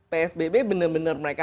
psbb benar benar mereka